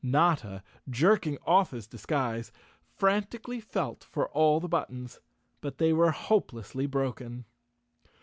Notta, jerking oft his disguise, frantically felt for all the buttons, but they were hopelessly broken.